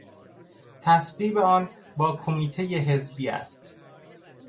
تصویب آن با کمیتهٔ حزبی است.